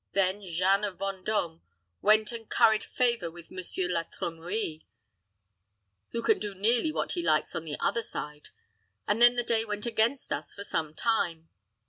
Then Jeanne of Vendôme went and curried favor with Monsieur La Trimouille, who can do nearly what he likes on the other side, and then the day went against us for some time.